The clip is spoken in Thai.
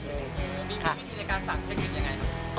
มีวิธีในการสั่งให้กินอย่างไรครับ